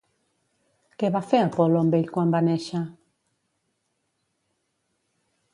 Què va fer Apol·lo amb ell quan va néixer?